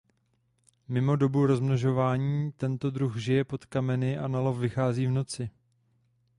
Mimo dobu rozmnožování tento druh žije pod kameny a na lov vychází v noci.